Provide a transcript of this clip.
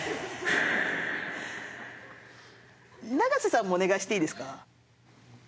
永瀬さんもお願いしていいですか。